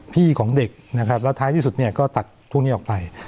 ของเด็กนะครับแล้วท้ายที่สุดเนี่ยก็ตัดพวกนี้ออกไป